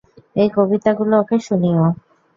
এই কবিতাগুলো ওকে শুনিও।